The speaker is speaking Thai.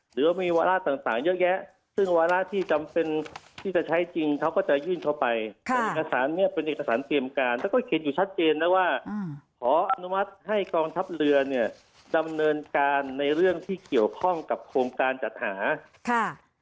หรือว่ามีวาระต่างเยอะแยะซึ่งวาระที่จำเป็นที่จะใช้จริงเขาก็จะยื่นเข้าไปแต่เอกสารเนี้ยเป็นเอกสารเตรียมการแล้วก็เขียนอยู่ชัดเจนนะว่าขออนุมัติให้กองทัพเรือเนี่ยดำเนินการในเรื่องที่เกี่ยวข้องกับโครงการจัดหาค่ะ